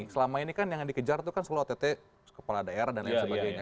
selama ini kan yang dikejar itu kan selalu ott kepala daerah dan lain sebagainya